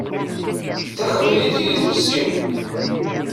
D taqbaylit i d idles-iw.